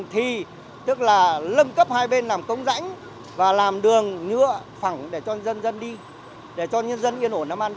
thì tức là lâm cấp hai bên làm công rãnh và làm đường nhựa phẳng để cho nhân dân đi để cho nhân dân yên ổn nắm ăn